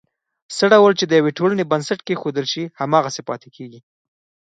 څه ډول چې د یوې ټولنې بنسټ کېښودل شي، هماغسې پاتې کېږي.